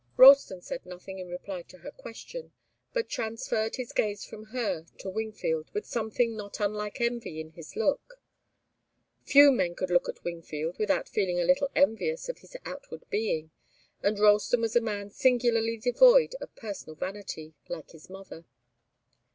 Ralston said nothing in reply to her question, but transferred his gaze from her to Wingfield, with something not unlike envy in his look. Few men could look at Wingfield without feeling a little envious of his outward being, and Ralston was a man singularly devoid of personal vanity, like his mother.